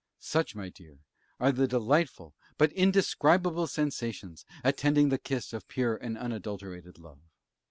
Such, my dear, are the delightful, but indescribable sensations attending the kiss of pure and unadulterated love.